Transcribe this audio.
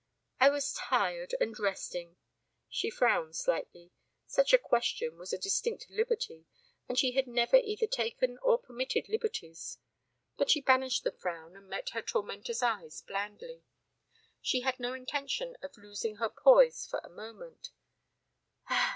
"I was tired and resting." She frowned slightly. Such a question was a distinct liberty and she had never either taken or permitted liberties. But she banished the frown and met her tormentor's eyes blandly. She had no intention of losing her poise for a moment.